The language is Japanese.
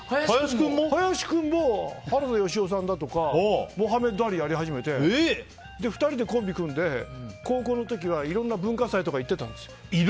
林君も原田芳雄さんだとかモハメッド・アリをやり始めて２人でコンビを組んで高校生の頃はいろんな文化祭とか行ってたんです。